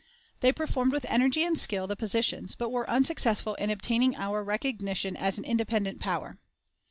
They performed with energy and skill the positions, but were unsuccessful in obtaining our recognition as an independent power.